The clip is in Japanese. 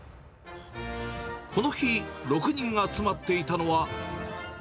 この日、６人が集まっていたのは。